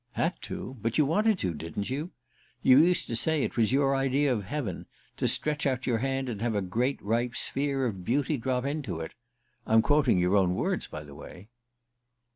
"Had to? But you wanted to, didn't you? You used to say it was your idea of heaven to stretch out your hand and have a great ripe sphere of beauty drop into it. I'm quoting your own words, by the way."